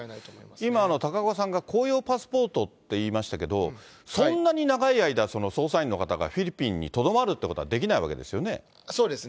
今、高岡さんが公用パスポートっていいましたけど、そんなに長い間、捜査員の方がフィリピンにとどまるということはできないわけですそうですね。